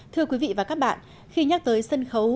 thưa quý vị và các bạn khi nhắc tới sân khấu